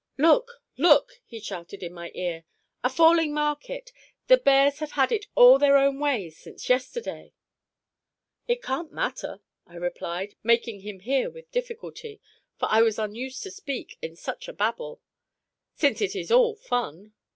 "Look, look," he shouted in my ear; "a falling market! The bears have had it all their own way since yesterday." "It can't matter," I replied, making him hear with difficulty, for I was unused to speak in such a babel, "since it is all fun."